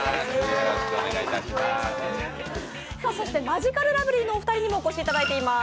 そしてマヂカルラブリーのお二人にもお越しいただいています。